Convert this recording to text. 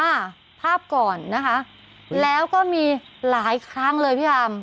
อ่าภาพก่อนนะคะแล้วก็มีหลายครั้งเลยพี่อาม